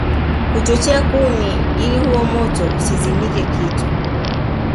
kuchochea kuni ili huo moto usizimike Kitu